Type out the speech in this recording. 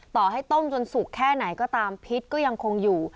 ต่อให้ต้มจนสุกแค่ไหนก็ตามพิษก็ยังคงอยู่